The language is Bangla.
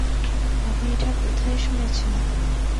আপনি এটা কোথায় শুনেছেন?